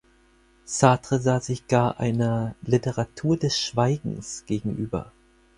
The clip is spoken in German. Sartre sah sich gar einer "Literatur des Schweigens" gegenüber.